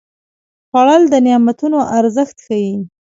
خوړل د نعمتونو ارزښت ښيي